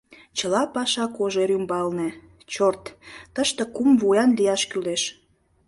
Чыла паша Кожер ӱмбалне, «чорт, тыште кум вуян лияш кӱлеш.